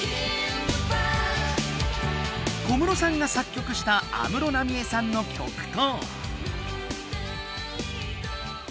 小室さんが作曲した安室奈美恵さんの曲と。